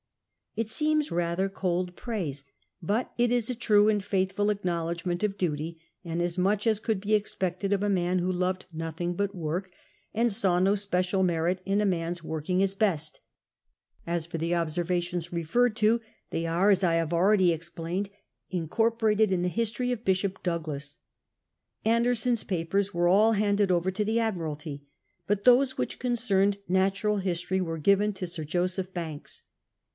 It seems rather cold praise, but it is a true and faith ful acknowledgment of duty, and as much as could be expected of a man who loved nothing but work, and saw 138 CAPTAIN COOK OIIAP. no special merit in a man's working his best. As for the observations referred to, they are, as I have already explained, incorporated in the history by Bishop Douglas. Anderson's papers were all handed over to the Admiralty, but those which concerned natural history were given to Sir Joseph Banks.